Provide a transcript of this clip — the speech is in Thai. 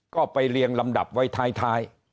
ก็ไปเรียงลำดับไว้ท้าย